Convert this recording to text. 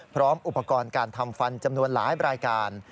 พร้อมอุปกรณ์การทำฟันจำนวนหลายรายการ